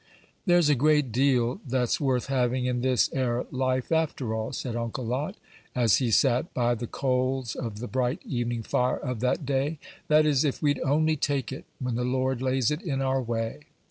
"There's a great deal that's worth having in this 'ere life after all," said Uncle Lot, as he sat by the coals of the bright evening fire of that day; "that is, if we'd only take it when the Lord lays it in our way."